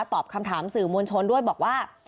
ตอบคำถามสื่อมวลชนด้วยบอกว่า